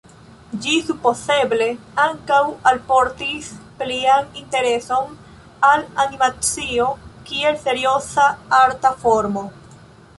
Ĝi supozeble ankaŭ alportis plian intereson al animacio kiel serioza arta formo.